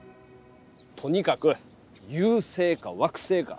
とにかく「遊星」か「惑星」か。